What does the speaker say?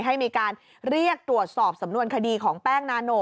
ให้มีการเรียกตรวจสอบสำนวนคดีของแป้งนาโน